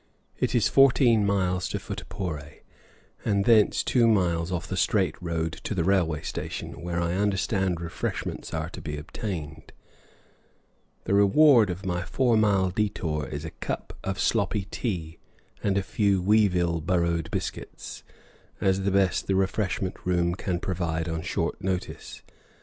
It is fourteen miles to Futtehpore, and thence two miles off the straight road to the railway station, where I understand refreshments are to be obtained. The reward of my four mile detour is a cup of sloppy tea and a few weevil burrowed biscuits, as the best the refreshment room can produce on short notice.